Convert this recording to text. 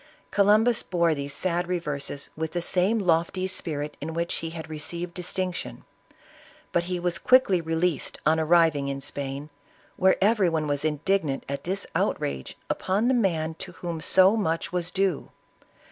Columbus bore these sad reverses with the same lofty spirit in which he had received distinc tion ; but he was quickly released on arriving in Spain, where every one was indignant at this outrage upon the man to whom so much was due.